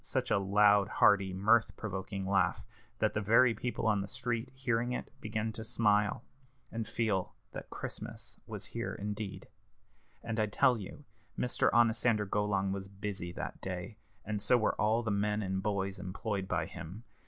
such a loud, hearty, mirth provoking laugh, that the very people on the street, hearing it, began to smile, and feel that Christmas was here indeed. And I tell you Mr. Onosander Golong was busy that day, and so were all the men and boys employed by him.